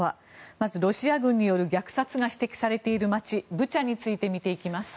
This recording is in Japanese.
まず、ロシア軍による虐殺が指摘されている街ブチャについて見ていきます。